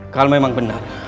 kalau memang benar